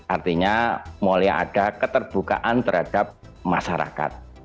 artinya mulai ada keterbukaan terhadap masyarakat